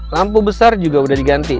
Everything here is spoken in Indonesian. lampu besar juga sudah diganti